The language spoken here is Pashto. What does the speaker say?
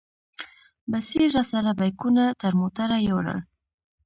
بصیر راسره بیکونه تر موټره یوړل.